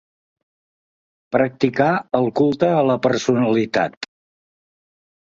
Practicà el culte a la personalitat.